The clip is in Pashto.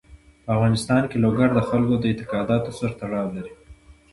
په افغانستان کې لوگر د خلکو د اعتقاداتو سره تړاو لري.